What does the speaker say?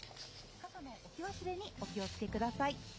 傘の置き忘れにお気をつけください。